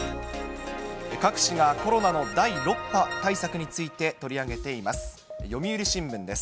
各紙がコロナの第６波対策について取り上げています。